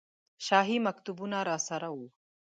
شاهي مکتوبونه راسره وو.